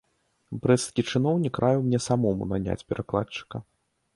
Брэсцкі чыноўнік раіў мне самому наняць перакладчыка.